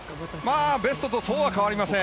ベストとそう変わりません。